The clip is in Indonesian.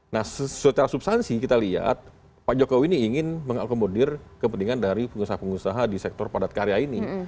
nah secara substansi kita lihat pak jokowi ini ingin mengakomodir kepentingan dari pengusaha pengusaha di sektor padat karya ini